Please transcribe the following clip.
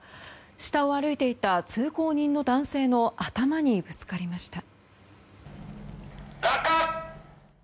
下を歩いていた通行人の男性の頭にぶつかりました。